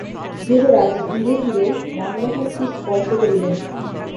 যুবরাজ, ধীরে ধীরে রামমোহনকে স্পর্শ করিলেন।